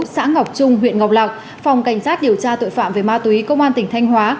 xã ngọc trung huyện ngọc lạc phòng cảnh sát điều tra tội phạm về ma túy công an tỉnh thanh hóa